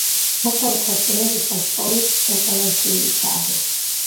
მასთან ქორწინებისას პოლის ეყოლა შვილი ჩარლი.